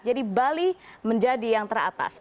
jadi bali menjadi yang teratas